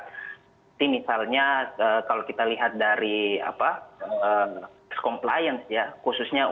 jadi misalnya kalau kita lihat dari compliance ya khususnya untuk